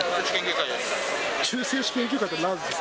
中世史研究会です。